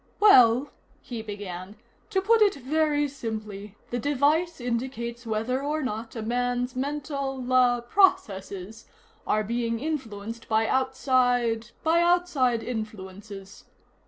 "Well," he began, "to put it very simply, the device indicates whether or not a man's mental ah processes are being influenced by outside by outside influences."